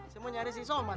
saya mau nyari si somat